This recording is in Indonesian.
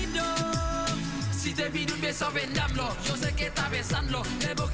disini juga ada mandornya